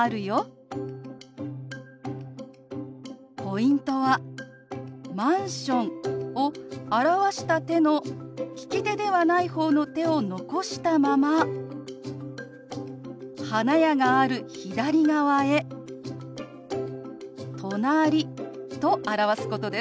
ポイントはマンションを表した手の利き手ではない方の手を残したまま花屋がある左側へ「隣」と表すことです。